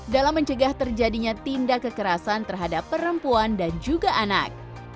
dalam mencegah terjadinya tindak kekerasan terhadap perempuan dan juga anak